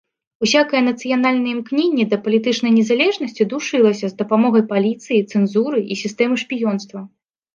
Усякае нацыянальнае імкненне да палітычнай незалежнасці душылася з дапамогай паліцыі, цэнзуры і сістэмы шпіёнства.